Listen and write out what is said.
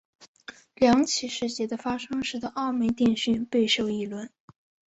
两起事件的发生使得澳门电讯备受议论。